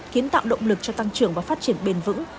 kiến tạo động lực cho tăng trưởng và phát triển bền vững